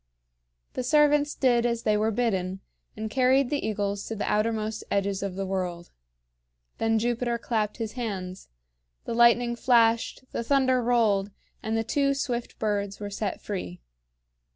The servants did as they were bidden, and carried the eagles to the outermost edges of the world. Then Jupiter clapped his hands. The lightning flashed, the thunder rolled, and the two swift birds were set free.